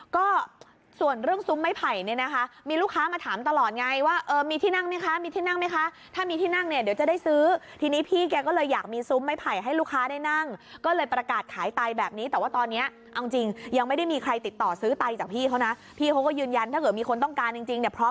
ก็ส่วนเรื่องซุ้มไม้ไผ่เนี่ยนะคะมีลูกค้ามาถามตลอดไงว่าเออมีที่นั่งไหมคะมีที่นั่งไหมคะถ้ามีที่นั่งเนี่ยเดี๋ยวจะได้ซื้อทีนี้พี่แกก็เลยอยากมีซุ้มไม้ไผ่ให้ลูกค้าได้นั่งก็เลยประกาศขายไตแบบนี้แต่ว่าตอนนี้เอาจริงยังไม่ได้มีใครติดต่อซื้อไตจากพี่เขานะพี่เขาก็ยืนยันถ้าเกิดมีคนต้องการจริงเนี่ย